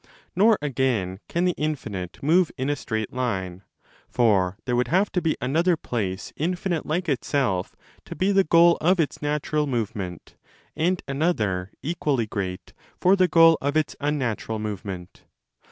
Nor again can the infinite move in a straight line. For there would have to be another place infinite like itself to be the goal of its natural movement and another, equally great, for the goal of its unnatural movement.